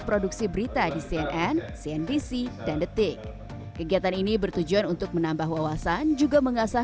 produksi berita di cnn cnbc dan detik kegiatan ini bertujuan untuk menambah wawasan juga mengasah